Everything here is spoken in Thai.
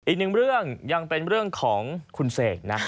อีกหนึ่งเรื่องยังเป็นเรื่องของคุณเสกนะ